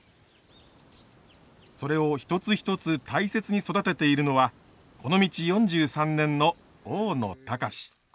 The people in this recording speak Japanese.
それを一つ一つ大切に育てているのはこの道４３年の大野峯。